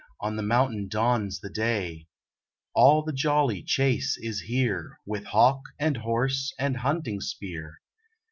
On the mountain dawns the day; All the jolly chase is here, With hawk, and horse, and hunting spear!